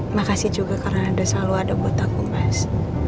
makasih juga karena ada selalu ada buat aku mas